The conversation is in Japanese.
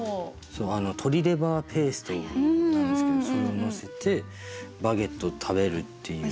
鶏レバーペーストなんですけどそれを載せてバゲットを食べるっていう。